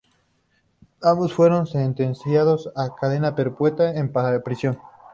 Ambos fueron sentenciados a cadena perpetua en prisión.